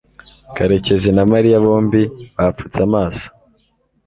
karekezi na mariya bombi bapfutse amaso